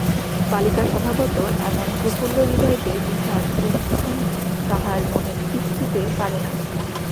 বালিকা স্বভাবতঃ এমন প্রফুল্লহৃদয় যে, বিষাদ অধিক ক্ষণ তাহার মনে তিষ্ঠিতে পারে না।